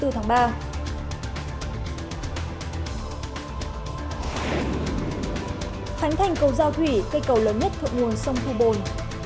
thánh thành cầu giao thủy cây cầu lớn nhất thuộc nguồn sông thu bồn